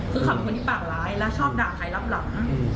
คือเขาเป็นคนที่ปากร้ายและชอบด่าใครรับหลัง